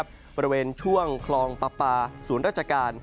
บริเวณช่วงคลองปลาปลาศูนย์ราชการ